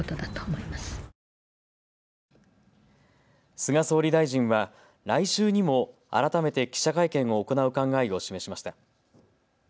菅総理大臣は来週にも改めて記者会見を行う考えを示しました。